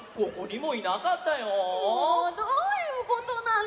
もうどういうことなの。